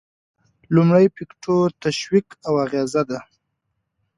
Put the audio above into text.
لومړی فکتور تشویق او اغیزه ده.